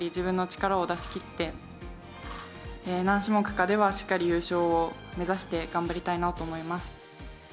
しっかり自分の力を出し切って、何種目かではしっかり優勝を目指して頑張りたいなと思います。